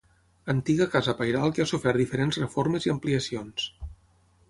Antiga casa pairal que ha sofert diferents reformes i ampliacions.